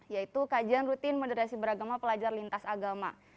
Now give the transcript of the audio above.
yaitu kajian rutin moderasi beragama pelajar lintas agama